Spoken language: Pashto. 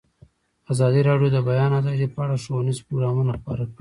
ازادي راډیو د د بیان آزادي په اړه ښوونیز پروګرامونه خپاره کړي.